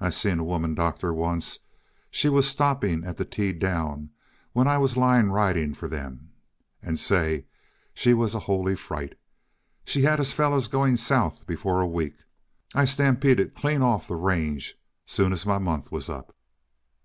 I seen a woman doctor, once she was stopping at the T Down when I was line riding for them and say, she was a holy fright! She had us fellows going South before a week. I stampeded clean off the range, soon as my month was up."